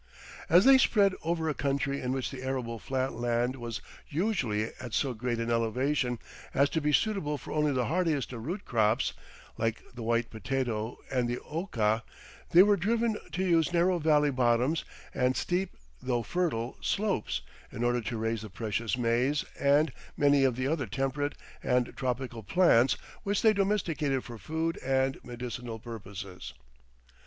As they spread over a country in which the arable flat land was usually at so great an elevation as to be suitable for only the hardiest of root crops, like the white potato and the oca, they were driven to use narrow valley bottoms and steep, though fertile, slopes in order to raise the precious maize and many of the other temperate and tropical plants which they domesticated for food and medicinal purposes.